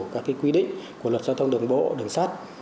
các quy định của luật giao thông đường bộ đường sắt